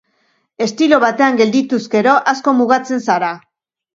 Estilo batean geldituz gero, asko mugatzen zara.